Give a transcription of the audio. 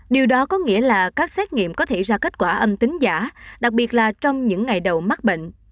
điều đó có nghĩa là các xét nghiệm có thể ra kết quả âm tính giả đặc biệt là trong những ngày đầu mắc bệnh